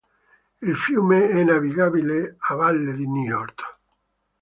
Il fiume è navigabile a valle di Niort.